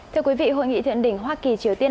thưa quý vị hội nghị thượng đỉnh hoa kỳ triều tiên